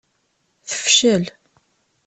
Tefcel.